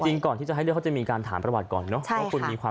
จริงก่อนที่จะให้เลือกเขาจะมีการถามประวัติก่อนเนอะ